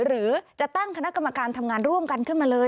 หรือจะตั้งคณะกรรมการทำงานร่วมกันขึ้นมาเลย